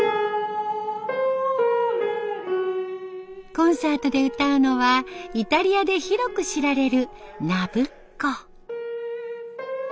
コンサートで歌うのはイタリアで広く知られる「ナブッコ」。